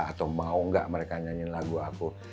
atau mau nggak mereka nyanyiin lagu aku